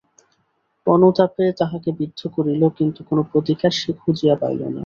অনুতাপে তাহাকে বিদ্ধ করিল, কিন্তু কোনো প্রতিকার সে খুঁজিয়া পাইল না।